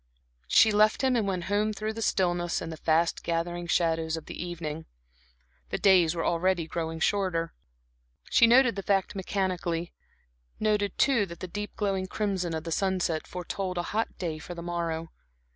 She left him and went home through the stillness and the fast gathering shadows of the evening. The days were already growing shorter. She noted the fact mechanically; noted too that the deep glowing crimson of the sunset foretold a hot day for the morrow.